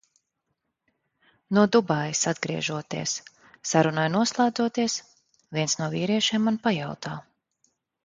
No Dubaijas atgriežoties. Sarunai noslēdzoties, viens no vīriešiem man pajautā.